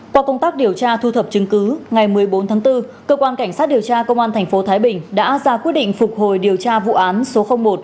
qua công tác điều tra thu thập chứng cứ ngày một mươi bốn tháng bốn cơ quan cảnh sát điều tra công an tp thái bình đã ra quyết định phục hồi điều tra vụ án số một